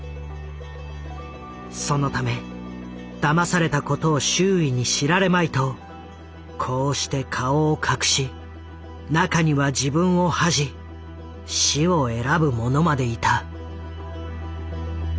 そのためだまされたことを周囲に知られまいとこうして顔を隠し中には自分を恥じ死を選ぶ者までいた。